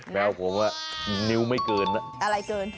แมวผมนิ้วไม่เกินนะอะไรเกิน